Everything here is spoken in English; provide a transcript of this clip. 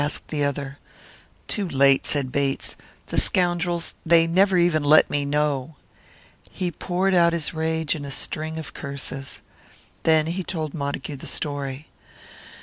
asked the other. "Too late," said Bates; "the scoundrels they never even let me know!" He poured out his rage in a string of curses. Then he told Montague the story.